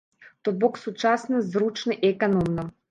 То бок сучасна, зручна і эканомна.